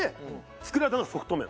作られたのがソフト麺。